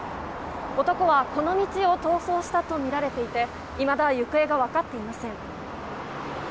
男はこの道を逃走したとみられていていまだ行方が分かっていません。